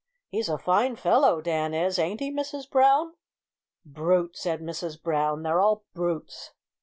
He's a fine fellow, Dan is, ain't he, Mrs Brown?" "Brute," said Mrs Brown; "they're all brutes."